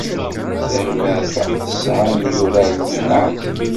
Tarbaɛt-a tesɛa imyuraren n lɛali.